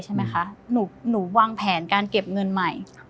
หนูวางแผนการเก็บเงินใหม่